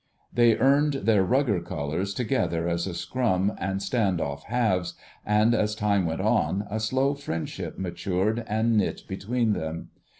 They earned their "Rugger" colours together as scrum and stand off halves, and as time went on a slow friendship matured and knit between them.